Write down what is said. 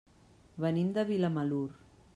Venim de Vilamalur.